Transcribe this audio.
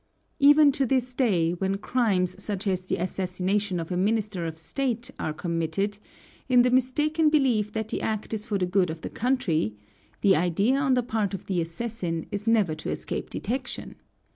Even to this day, when crimes such as the assassination of a minister of state are committed, in the mistaken belief that the act is for the good of the country, the idea on the part of the assassin is never to escape detection.